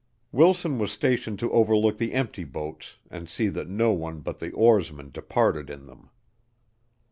Wilson was stationed to overlook the empty boats and see that no one but the oarsmen departed in them.